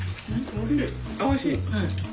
おいしい。